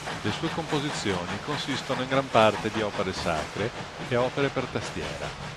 Le sue composizioni consistono in gran parte di opere sacre e opere per tastiera.